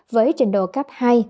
với trình độ cấp hai